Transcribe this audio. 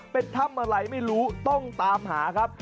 เป็นถ้ำอะไรไม่รู้ต้องตามหาครับ